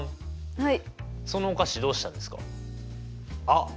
はい。